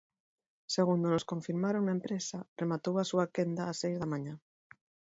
Segundo nos confirmaron na empresa, rematou a súa quenda ás seis da mañá.